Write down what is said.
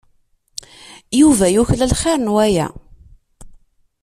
Yuba yuklal xir n waya.